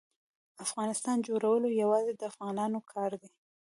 د افغانستان جوړول یوازې د افغانانو کار دی.